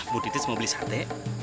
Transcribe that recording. bu titis mau beli sate